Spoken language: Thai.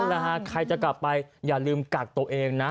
แหละฮะใครจะกลับไปอย่าลืมกักตัวเองนะ